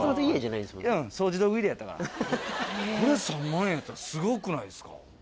これ３万円やったらすごくないですか？